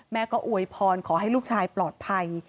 แม่ก็อวยพรขอให้ลูกชายปลอดภัย